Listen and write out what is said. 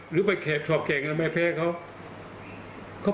หรือไปทอบเก่งทำไมแพ้เขา